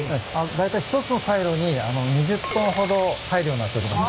大体１つのサイロに２０トンほど入るようになっております。